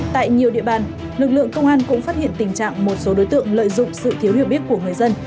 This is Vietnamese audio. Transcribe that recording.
tại nhiều địa bàn lực lượng công an cũng phát hiện tình trạng một số đối tượng lợi dụng sự thiếu hiểu biết của người dân